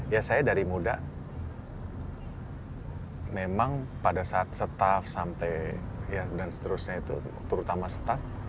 ya saya dari muda memang pada saat staff sampai dan seterusnya itu terutama staff